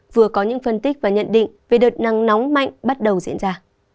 vừa có những phân tích và nhận định về đợt nắng nóng mạnh bắt đầu diễn ra